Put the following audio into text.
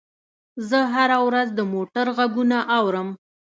زه هره ورځ د موټر غږونه اورم.